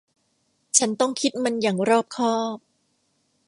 ฉันต้องคิดมันอย่างรอบคอบ